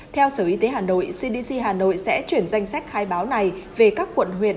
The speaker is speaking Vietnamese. theo sở y tế hà nội cdc hà nội sẽ chuyển danh sách khai báo này về các quận huyện